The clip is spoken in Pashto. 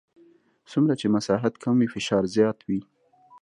څومره چې مساحت کم وي فشار زیات وي.